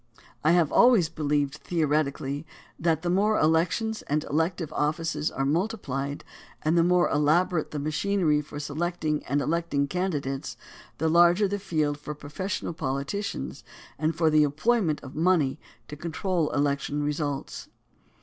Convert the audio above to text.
I have al ways believed theoretically that the more elections and elective offices were multiplied; and the more elabo rate the machinery for selecting and electing candidates, the larger the field for professional politicians and for the employment of money to control election results.